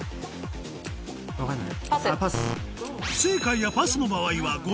分かんない。